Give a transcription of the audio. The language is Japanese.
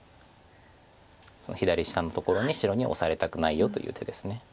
左下のところに白にオサれたくないよという手です。